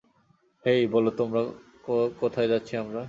হেই, বলো তো কোথায় যাচ্ছি আমরা?